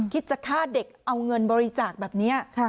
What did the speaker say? คิดจะฆ่าเด็กเอาเงินบริจาคแบบนี้